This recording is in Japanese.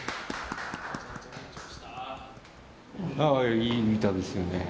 いい歌ですよね。